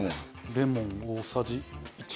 レモン大さじ１。